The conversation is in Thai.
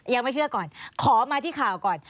ยังไม่เชื่อก่อนขอมาที่ข่าวก่อน